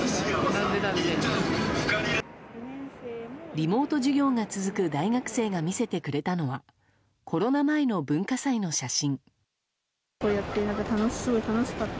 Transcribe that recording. リモート授業が続く大学生が見せてくれたのはコロナ前の文化祭の写真。